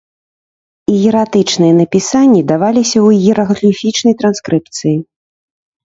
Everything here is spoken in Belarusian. Іератычныя напісанні даваліся ў іерагліфічнай транскрыпцыі.